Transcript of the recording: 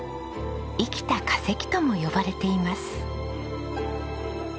生きた化石とも呼ばれています。